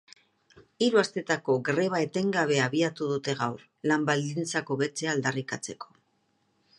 Hiru astetako greba etengabea abiatu dute gaur, lan-baldintzak hobetzea aldarrikatzeko.